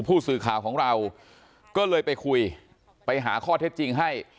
ผู้สื่อข่าวของเราก็เลยไปคุยไปหาข้อเท็จจริงให้